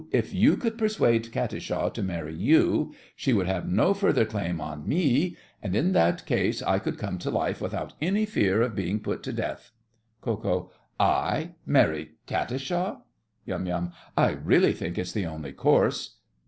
If you could persuade Katisha to marry you, she would have no further claim on me, and in that case I could come to life without any fear of being put to death. KO. I marry Katisha! YUM. I really think it's the only course.